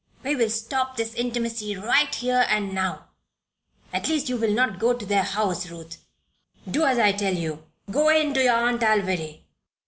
We will stop this intimacy right here and now. At least, you will not go to their house, Ruth. Do as I tell you go in to your Aunt Alviry."